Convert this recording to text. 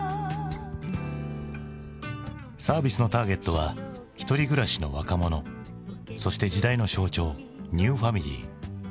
サービスのターゲットは一人暮らしの若者そして時代の象徴ニューファミリー。